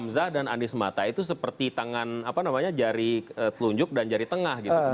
pak hari hamzah dan andies smata itu seperti tangan apa namanya jari telunjuk dan jari tengah gitu